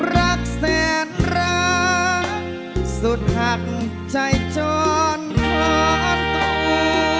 รักแสนรักสุดหักใจจนขอนโต